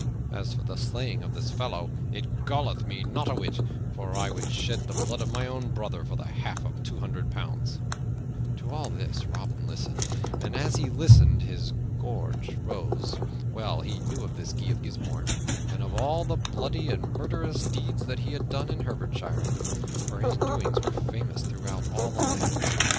As for the slaying of this fellow, it galleth me not a whit, for I would shed the blood of my own brother for the half of two hundred pounds." To all this Robin listened, and as he listened his gorge rose. Well he knew of this Guy of Gisbourne, and of all the bloody and murderous deeds that he had done in Herefordshire, for his doings were famous throughout all the land.